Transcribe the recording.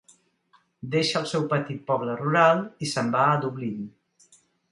Deixa el seu petit poble rural i se'n va a Dublín.